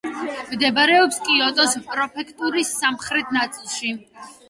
მდებარეობს კიოტოს პრეფექტურის სამხრეთ ნაწილში.